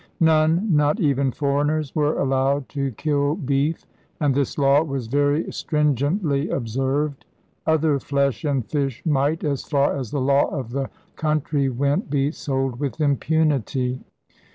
None, not even foreigners, were allowed to kill beef, and this law was very stringently observed. Other flesh and fish might, as far as the law of the country went, be sold with impunity.